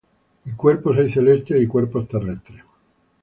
Y cuerpos hay celestiales, y cuerpos terrestres;